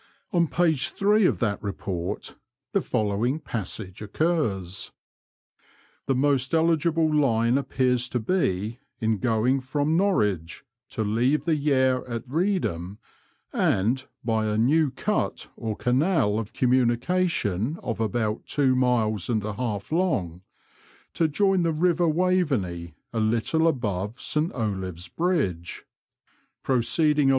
On page 3 of that report the following passage occurs :—The most eligible line appears to be, in going from Norwich, to leave the Yare at Eeedham, and, by a new cut or canal of communi cation of about two miles and a half long, to join the river Waveney a little above St Olaves Bridge, proceeding along vGoooi J ^^ y^yi.